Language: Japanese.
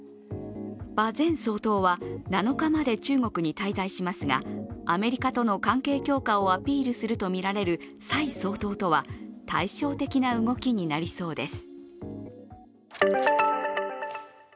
馬前総統は７日まで中国に滞在しますがアメリカとの関係強化をアピールするとみられる蔡総統とは対照的な動きになりそうです。